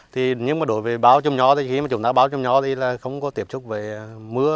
thì nếu mà đối với bao trùm nho thì khi chúng ta bao trùm nho thì là không có tiếp xúc về mưa